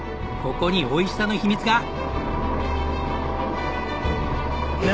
ここにおいしさの秘密が！